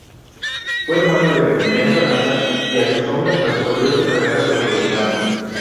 Fue hermano de Venustiano Carranza y a su sombra transcurrió su carrera revolucionaria.